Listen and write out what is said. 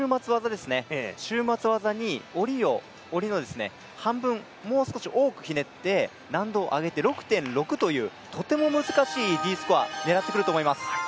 週末技に、下りの半分、もう少し多くひねって６．６というとっても難しいＤスコア狙ってくると思います。